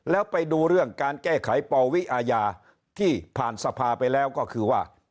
แล้วไปดูเรื่องการแก้ไขปวิอาญาที่ผ่านสภาไปแล้วก็คือว่า